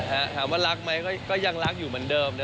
คุณพีชถามว่าลักไหมก็ยังรักอยู่เหมือนเดิม